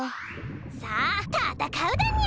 さあたたかうだにゃ！